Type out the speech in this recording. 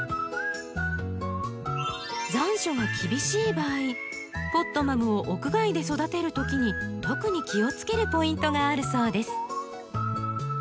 残暑が厳しい場合ポットマムを屋外で育てる時に特に気をつけるポイントがあるそうです。